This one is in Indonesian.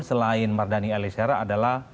selain mardhani alisera adalah